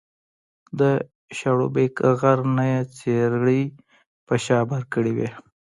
د شاړوبېک غر نه یې څېړۍ په شا بار کړې وې